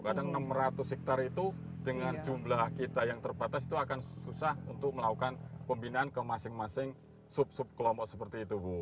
kadang enam ratus hektare itu dengan jumlah kita yang terbatas itu akan susah untuk melakukan pembinaan ke masing masing sub sub kelompok seperti itu bu